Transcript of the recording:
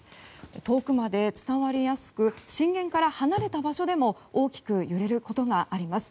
遠くまで伝わりやすく震源から離れた場所でも大きく揺れることがあります。